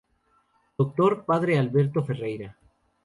Dr. Padre Alberto Ferreira.